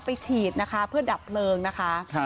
ฉีดนะคะเพื่อดับเพลิงนะคะ